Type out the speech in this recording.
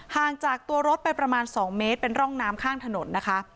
ห่างจากตัวรถไปประมาณ๒เมตรเป็นร่องน้ำข้างถนนนะคะ